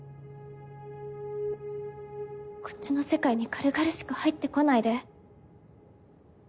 こっちの世界に軽々しく入ってこないで。